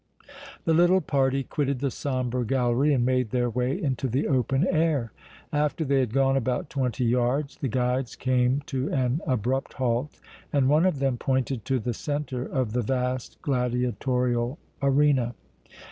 The little party quitted the sombre gallery and made their way into the open air. After they had gone about twenty yards the guides came to an abrupt halt and one of them pointed to the centre of the vast gladiatorial arena.